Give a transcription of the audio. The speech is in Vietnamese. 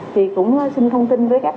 thì cũng xin thông tin với các anh em